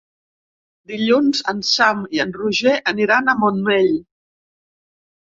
Dilluns en Sam i en Roger aniran al Montmell.